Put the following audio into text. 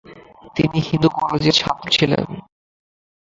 তিনি হিন্দু কলেজের ছাত্র ছিলেন।